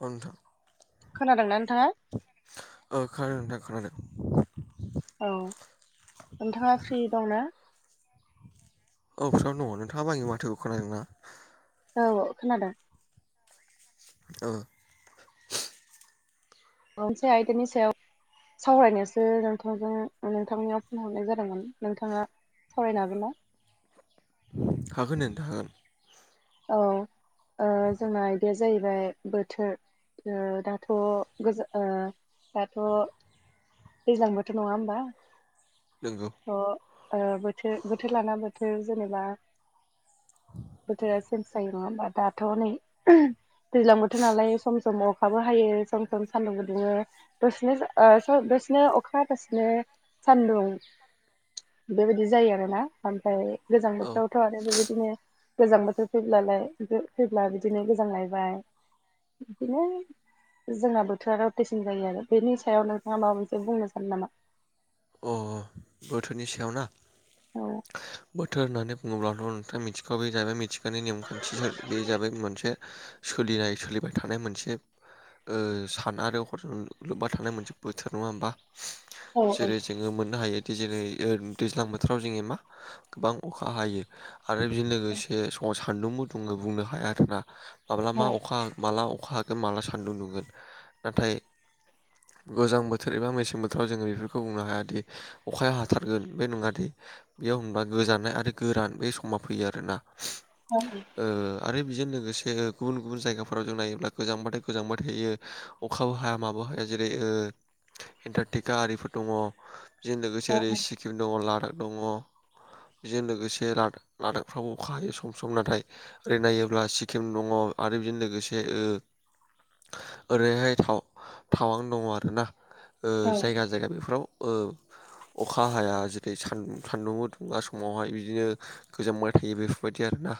औ नोंथां खोनादोंना नोंथाङा औ खोनादों नोंथां खोनादों औ नोंथाङा फ्रि दं ना? औ फ्रिआवनो दङ नोंथाङाबो आंनि माथोखौ खोनादों ना? औ खोनादों ओ [unintelligible] मोनसे आयदानि सायाव सावरायनोसो नोंथांजों नोंथांनियाव फन हरनाय जादोंमोन नोंथाङा सावरायनो हागोन ना? हागोन नोंथां हागोन औ ओ जोंना इदिया जाहैबाय बोथोर ओ दाथ' गोज ओ दाथ' दैज्लां बोथोर नंङा होमबा नोंगौ अ ओ बोथोर बोथोर लाना बोथोर जेनेबा बोथोरा सेन्स जायो नङा होमबा दाथ' नै दैज्लां बोथोर नालाय सम सम अखाबो हायो सम सम सान्दुंबो दुंङो दसेनो ओ दसेनो अखा दसेनो सान्दुं बेबायदि जायो आरोना ओमफाय गोजां औ बोथोरावथ' आरो बेबायदिनो गोजां बोथोर फैब्लालाय [unintelligible] फैब्ला बिदिनो गोजां लायबाय बिदिनो जोंना बोथोरा रावथेसिन जायो आरो बेनि सायाव नोंथांङा माबा मोनसे बुंनो सानो नामा? अ अ बोथोरनि सायाव ना औ बोथोर होननानै बुङोब्लाथ' नोंथाङा मिथिखाबाय जाहैबाय मिथिखानाय नेमखान्थि [unintelligible] बे जाबाय मोनसे सोलिनाय सोलिबाय थानाय मोनसे ओ सान आरो हर लोब्बा थानाय मोनसे बोथोर नङा होमबा औ जेरै जोङो मोननो हायोदि जेरै ओ दैज्लां बोथोराव जोङो मा गोबां अखा हायो आरो बेजों लोगोसे समाव सान्दुंबो दंङो बुंनो हाया आरोना माब्ला औ मा अखा माला अखा माला सान्दुं नुगोन। नाथाय गोजां बोथोर एबा मेसें बोथोराव जोंङो बेफोर खौ बुंनो हायादि अखाया हाथारगोन बे नङादि बेयाव होनबा गोजांनाय आरो गोरान बे समा फैयो आरोना। [unintelligible] ओ आरो बेजों लोगोसे गुबुन गुबुन जायगाफोराव जों नायोब्ला गोजांबाथाय गोजांबा थायो अखाबो हाया माबो हाया जेरै ओ एन्टारटिका आरिफोर दङ बेजों लोगोसे औ ओरै सिक्किम दङ', लादाख दङ'। बेजों लोगोसे ला-लादाकफ्रावबो अखा हायो सम सम। नाथाय ओरै नायोब्ला सिक्किम दङ' आरो बेजों लोगोसे ओ ओरैहाय थाव-थावां दङ' आरोना, औ जायगा जायगा बे फ्राव ओ अखा हाया जेरै सुं सानदुं दुङा समावहाय बिदिनो गोजांबाय थायो बेफोरबायदि आरोना,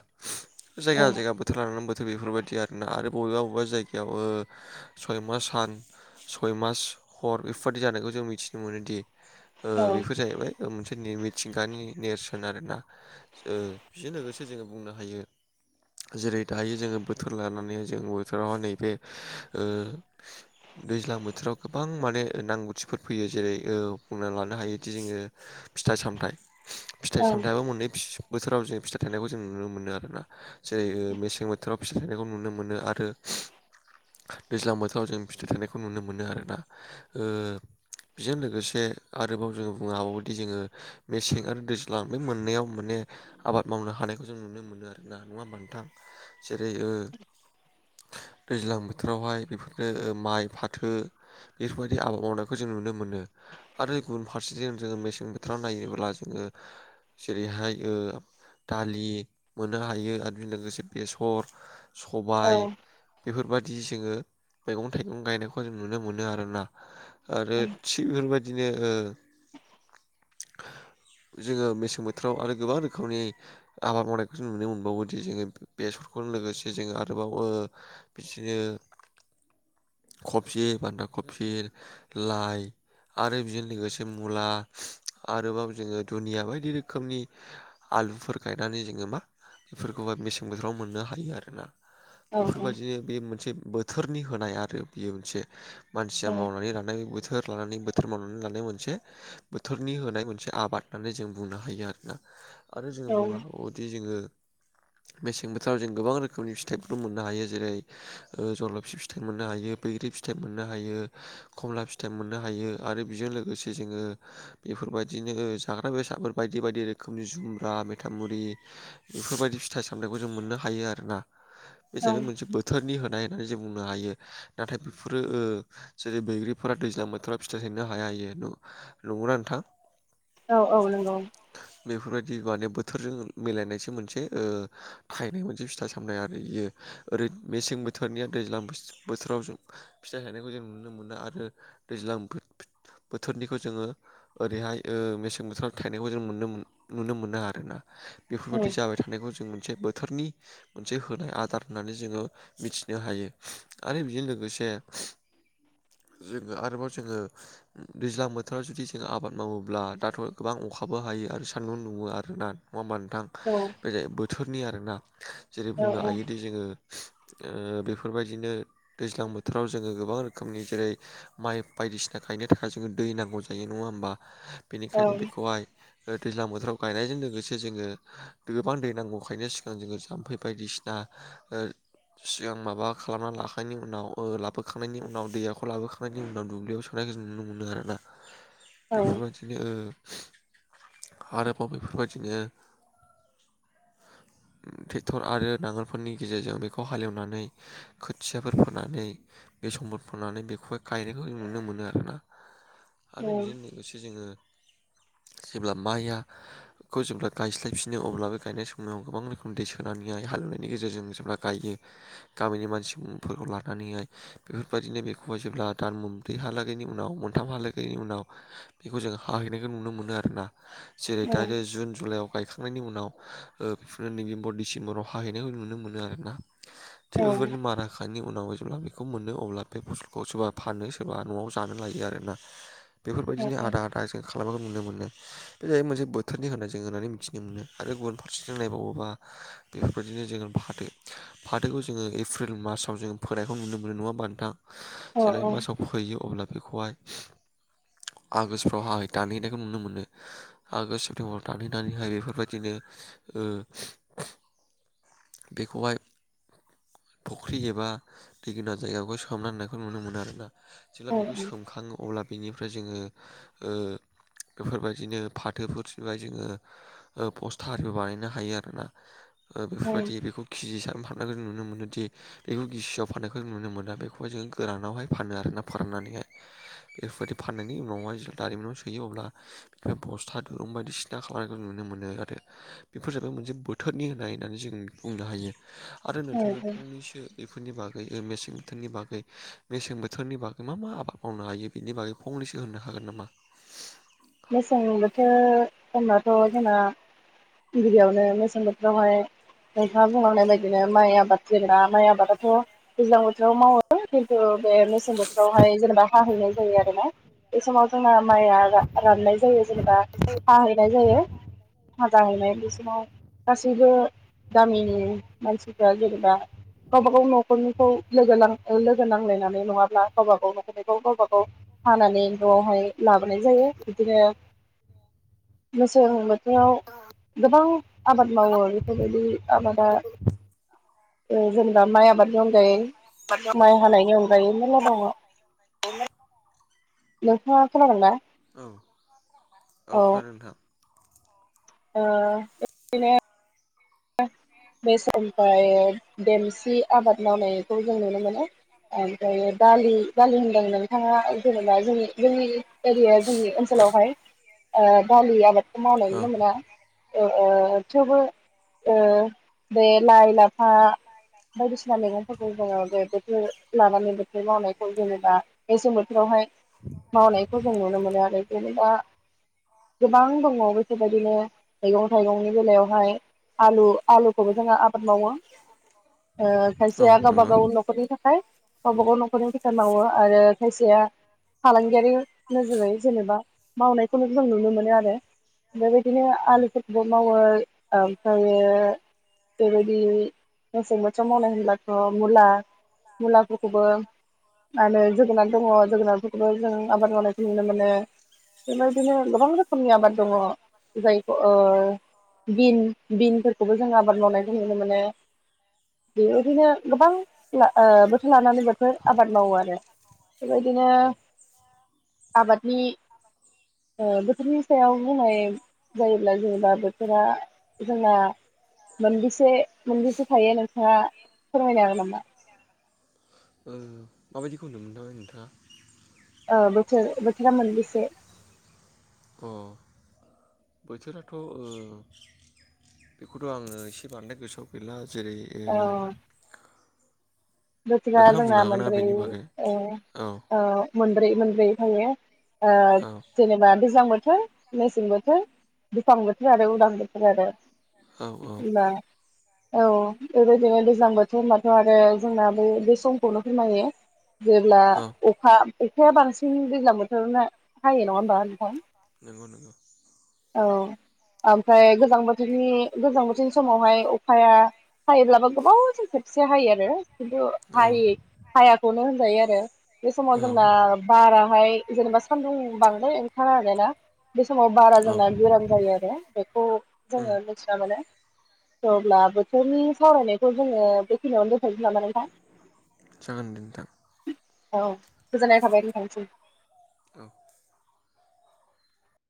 औ जायगा जायगा बोथोर लानानै बोथोर बेफोरबायदि आरोना आरो बबेबा बबेबा जायगायाव ओ सय मास सान सय मास हर इफोरबादि जानायखौ जों मिथिनो मोनोदि ओ औ बेफोर जाहैबाय दा मोनसे नै मिथिंगानि नेरसोन आरोना। ओ बेजों लोगोसे जोङो बुंनो हायो जेरै दायो जोङो बोथोर लानानै जों बोथोरावहाय नैबे ओ दैज्लां बोथोराव गोबां माने नांगौथिफोर फैयो जेरै ओ बुंना लानो हायोदि जोङो फिथाइ सामथाइ बि औ फिथाइ सामथायाइबो मोननै फि बोथोराव जों फिथाइ थाइनायखौ जों नुनो मोनो आरोना। जेरै मेसें बोथोराव फिथाइ थायनायखौ नुनो मोनो आरो दैज्लां बोथोराव जों फिथाइ थानायखौ नुनो मोनो आरोना। ओ बेजों लोगोसे आरोबाव जोङो बुंनो हाबावोदि जोङो मेसें आरो दैज्लां बे मोननैयाव माने आबाद मावनो हानायखौ जों नुनो मोनो आरोना नङा होनबा नोंथां? जेरै ओ दैज्लां बोथोरावहाय बेफोरनो ओ माइ, फाथो बेफोरबायदि आबाद मावनाय खौ जों नुनो मोनो आरो गुबुन फारसेथि जोङो मेसें बोथोराव नायोब्ला जोङो जेरैहाय ओ दालि मोननो हायो आरो बेजों लोगोसे बेसर, सबाय बेफोरबायदि जोङो मैगं थाइगं गायनायखौ जों नुनो मोनो आरोना। आरो थिग बेफोरबायदिनो ओ जोङो मेसें बोथोराव आरो गोबां रोखोमनि आबाद मावनायखौ जों नुनो मोनबावोदि जोङो बेसरखौनो लोगोसे जोंङो आरोबाव ओ बिदिनो खफि, बान्दा खफि लाइ आरो बेजों लोगोसे मुला आरोबाव जोङो दुनिया बायदि रोखोमनि आलुफोर गायनानै जोङो मा बेफोरखौबो मेसें बोथोराव मोननो हायो आरो ना। औ बेफोरबायदिनो बे मोनसे बोथोरनि होनाय आरो बेयो मोनसे मानसिया मावनानै लानाय बोथोर लानानै बोथोर मावनानै लानाय मोनसे बोथोरनि होनाय मोनसे आबाद होननानै जों बुंनो हायो आरोना। आरो जों बुंनो हाबा वोदि जोङो मेसें बोथोराव जों गोबां रोखोमनि फिथाइफोर मोननो हायो। जेरै जलफि फिथाइ मोननो हायो, बैग्रि फिथाइ मोननो हायो, खमला फिथ थाइ मोननो हायो आरो बेजों लोगोसे जोङो बेफोरबायदिनो ओ जाग्रा बेसादफोर बायदि बायदि रोखोमनि जुमब्रा, मेथामुरि बेफोरबायदि फिथाइ सामथाइखौ जों मोननो हायो आरोना। बे औ जाहैबाय मोनसे बोथोरनि होनाय होननानै जों बुंनो हायो। नाथाय बेफोरो ओ जेरै बैग्रि फोरा दैज्लां बोथोराव फिथाइ थायनो हाया इयो न-नंगौना नोंथां? औ औ नंगौ। बेफोरबायदि माने बोथोरजों मिलायनायसो मोनसे ओ थायनाय मोनसे फिथा सामथाइ आरो इयो। ओरै मेसें बोथोरनिया दैज्लां बो-बोथोराव जों फिथाइ थायनायखौ जों नुनो मोना आरो दैज्लां बोथ बोथोरनिखौ जोङो ओरैहाय ओ मेसें बोथोराव थायनायखौ जों मोननो नुनो मोनो आरोना औ बेफोरबायदि जाबाय थानायखौ जों मोनसे बोथोरनि मोनसे होनाय आदार होननानै जोङो मिथिनो हायो आरो बेजों लोगोसे जोङो आरोबाव जोङो दैज्लां बोथोराव जुदि जों आबाद मावोब्ला दाथ' गोबां अखाबो हायो आरो सान्दुं दुङो आरोना नङा होमबा नोंथां औ बेजाय बोथोरनि आरोना जेरै औ औ बुंनो हायोदि जोङो ओ बेफोरबायदिनो दैज्लां बोथोराव जोङो गोबां रोखोमनि जेरै माइ बायदिसिना गायनो थाखाय जोंङो दै नांगौ जायो नङा होमबा बेनिखायनो बेखौहाय ओ दैज्लां बोथोराव गायनायजों लोगोसे जोङो गोबां दै नांगौ खायनो सिगां जोङो जाम्फै बायदिसिना ओ सिगां माबा खालामना लाखांनायनि उनाव ओ लाबोखांनायनि उनाव दैयाव ख' लाबोखांनायनि उनाव दुब्लियाव सोनायखौ जों नुनो मोनो आरोना बेफोरबायदि बिदिनो ओ आरोबाव बेफोरबायदिनो [inaudible] ट्रेक्टर आरो नांगोलफोरनि गेजेरजों बेखौ हालेवनानै खोथियाफोर फोनानै बे सम्पद फोननानै बेखौहाय गायनायखौ जों नुनो मोनो आरोना आरो बिदिनो लोगोसे जोङो जेब्ला माया खौ जेब्ला गायस्लायफिनो अब्लाबे गायनाय समाव गोबां रोखोम दै सोनानै हालेवनायनि गेजेरजों जेब्ला गायो गामिनि मानसिफोरखौ लानानैहाय बेफोर बेबायदिनो बेखौय जेब्ला दान मोनब्रैहालागैनि उनाव मोनथामहालागैनि उनाव बेखौ जों हाहैनायखौ नुनो मोनो आरोना जेरै दा नै जुन जुलाइआव गायखां नायनि उनाव ओ बेफोरनो नभेम्बर डिसेम्बराव हाहैनायखौ नुनो मोनो आरोना। थिग बेफोरबादिनो मारा होखांनायनि उनाव जेब्ला बेखौ मोनो अब्ला बे फसलखौ सोरबा फानो सोरबा न'आव जानो लायो आरोना बेफोरबायदिनो आदार आजो खालामनायखौ नुनो मोनो बे जाहैबाय मोनसे बोथोरनि होनना जों होननानै मिथिनो मोनो आरो गुबुन फारसेथिं नायबावोबा बेफोरबायदिनो जोङो फाथो फाथोखौ जोङो एप्रिल मासाव जोङो फोनायखौ नुनो मोनो नङाहोमबा नोंथां जेरै मासाव फोयो अब्ला बेखौहाय आगोषफ्राव हाहै दानहैनायखौ नुनो मोनो आगोषट, सेप्तेम्बराव दानै दानै हायो बेफोरबायदिनो ओ बेखौहाय फुख्रि एबा दैगोनां जायगाखौ सोमना दोननायखौ नुनो मोनो आरोना जेब्ला औ बेखौ सोमखांङो अब्ला बिनिफ्राय जोंङो ओ बेफोरबायदिनो फाथोफोर सिनबाय जोंङो ओ पस्टारिबो बानायनो हायो आरोना ओ औ बेफोरबायदि बेखौ केजि हिसाब फाननाय बेखौ जों नुनो मोनो दि बेखौ गिसिआव फाननायखौ नुनो मोना बेखौहाय जों गोरानावहाय फानो आरोना फोराननानैहाय बेफोरबायदि फाननायनि उनावहाय जों दारिमिनाव सोयो अब्ला बेनिफ्राय बस्था दुरुं बायदि सिना खालामनायखौ जों नुनो मोनो आरो बेफोर जाबाय मोनसे बोथोरनि होननाय होननानै जों बुंनो हायो आरो नोंथाङा औ एसे बेफोरनि बागै ओ मेसें बोथोरनि बागै मेसें बोथोरनि बागै मा मा आबाद मावनो हायो बिनि बागै फंनैसो होननो हागोन नामा? मेसें बोथोर होनबाथ' जोंना गिबि गिबियावनो मेसं बोथोरावहाय नोंथाङा बुंलांनाय बायदिनो माइ आबाद जेनेबा माइ आबादाथ' दैज्लां बोथोराव मावो ओ बे मेसें बोथोरावहाय जेनेबा हाहैनाय जायो आरोना बे समाव जोंना माइआ रा राननाय जायो जेनेबा हाहैनाय जायो जाहैनाय बे समाव गासैबो गामिनि मानसिफ्रा जेनेबा गावबागाव न'खरनिखौ लोगो नां ओ लोगो नांलायनानै नंङाब्ला गावबा गाव न'खरनिखौ गावबा गाव हानानै न'आवहाय लाबोनाय जायो बिदिनो मोसौ- बेयाव गोबां आबाद मावो बेफोरबायदि आबादा- [inaudible] जों जेनेबा माइ आबाद दं जायो- साथिअ माइ हानायनि अनगायै मेरला दंङ [inaudible] नोंथांङा खोनादों ना? औ औ खोनादों नोंथां- ओ बिबदिनो बे समनिफ्राय देमसि आबाद मावनायखौ जों नुनो मोनो ओमफ्रायो दालि दालि होनदों बिथांङा जेनेबा जोंनि जोंनि एरिया जोंनि ओनसोलावहाय ओ दालि आबादखौ औ मावनोल' मोना ओ थेवबो ओ बे लाइ लाफा बायदिसिना मैगंफोरखौ जोंङो बेफोरखो लानानै बोथोर मावनायखौ जेनेबा बेसें बोथोरावहाय मावनायखौ जों नुनो मोनो आरो जेनैबा गोबां दङ' बेफोरबायदिनो मैगं थाइगंनि बेलायावहाय आलु आलुखौबो जोंङो आफ बाद मावो ओ औ खायसेया गावबा नंगौ गाव न'खरनि थाखाय गावबागाव न'खरनि थाखाय मावो आरो खायसेया फालांगियारि नोजोरै जेनेबा मावनायखौनो जों नुनो मोनो आरो बेबायदिनो औ आलुफोरखौबो मावो ओमफ्रायो बेबायदि मेसें बोथोर मावनाय होनब्लाथ' मुला मुलाफोरखौबो आरो जोगोनार दङ जोगोनार फोरखौ जों आबाद मावनायखौ नुनो मोनो बेबायदिनो गोबां रोखोमनि आबाद दंङ जायखौ ओ बिन बिनफोरखौबो जों आबाद मावनायखौ नुनो मोनो। बेबायदिनो गोबां ओ बोथोर लानानै बोथोर आबाद मावो आरो। बेबायदिनो औ आबादनि ओ बोथोरनि सायाव बुंनाय जायोब्ला जेनेबा बोथोरा जोंना मोनबेसे मोनबेसे थायो नोंथाङा फोरमायनो हागोन नामा ओ माबायदिखौ होनदोंमोनथाय नोंथाङा ओ बोथोर बोथोरा मोनबेसे अ बोथोराथ'ओ बेखौथ' आङो एसे बांद्राय गोसोआव गैला जेरै ओ बोथोरा नोंथाङा जोंना बुंनो हागोन ना मोनब्रै बेनि बागै ओ औ आ मोनब्रै मोनब्रै नुयो ओ औ जेनेबा गोजां बोथोर मेसें बोथोर दुफां बोथोर आरो उदां बोथोर आरो औ औ जेनेबा औ बेबायदिनो गोजां बोथोर होनबाथ' आरो जोंना बे बे समखौनो फोरमायो। जेब्ला औ अखा अखाया बांसिन दैज्लां बोथोर हायो नङा होमबा नोंथां। नंगौ नंगौ। औ ओमफ्राय गोजां बोथोरनि गोजां बोथोरनि समावहाय अखाया हायोब्लाबो गोबाव जों खेबसे हायो आरो खिन्थु औ हायि हायाखौनो होनजायो आरो बे औ समाव जोंना बाराहाय जेनेबा सान्दुं बांद्राय ओंखारा आरो ना बे समाव बारा औ जोंना गोरान जायो आरो बेखौ उम जोङो मिथि ना मोनो अब्ला बोथोरनि सावरायनायखौ जोङो बेखिनियावनो दोनथनोसै नामा नोंथां हा। जागोन दे नोंथां। औ गोजोननाय थाबाय नोंथां निसिम। औ